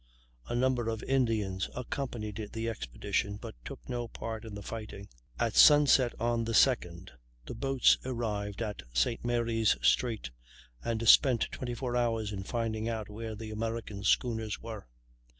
A number of Indians accompanied the expedition but took no part in the fighting. At sunset on the 2d the boats arrived at St. Mary's Strait, and spent 24 hours in finding out where the American schooners were.